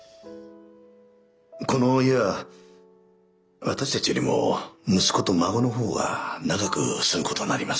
この家は私たちよりも息子と孫の方が長く住むことになります。